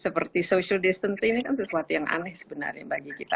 seperti social distancing ini kan sesuatu yang aneh sebenarnya bagi kita